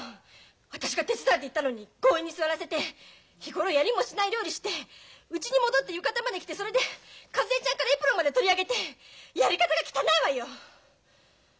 私が手伝うって言ったのに強引に座らせて日頃やりもしない料理してうちに戻って浴衣まで着てそれで一恵ちゃんからエプロンまで取り上げてやり方が汚いわよ！